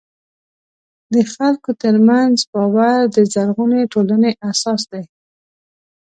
د خلکو ترمنځ باور د زرغونې ټولنې اساس دی.